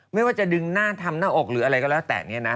ไม่ว่าจะดึงหน้าทำหน้าอกหรืออะไรก็แล้วแต่เนี่ยนะ